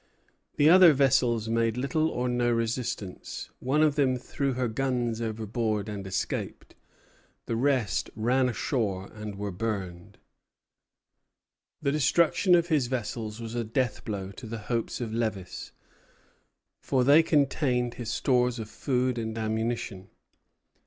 The other vessels made little or no resistance. One of them threw her guns overboard and escaped; the rest ran ashore and were burned. The destruction of his vessels was a death blow to the hopes of Lévis, for they contained his stores of food and ammunition.